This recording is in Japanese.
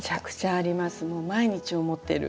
もう毎日思ってる。